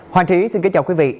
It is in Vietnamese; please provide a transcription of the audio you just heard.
hoàng trí xin kính chào quý vị